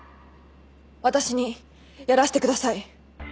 私にやらせてください。